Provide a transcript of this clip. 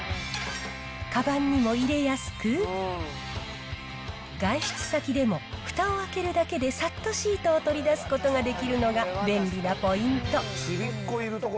かばんにも入れやすく、外出先でもふたを開けるだけで、さっとシートを取り出すことができるのが便利なポイント。